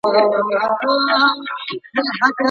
په لاس خط لیکل د ماشین له بې روحۍ سره توپیر لري.